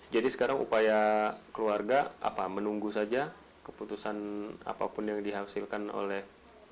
jadi sekarang upaya keluarga apa menunggu saja keputusan apapun yang dihasilkan oleh